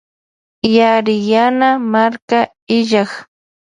Yariyana karma illak.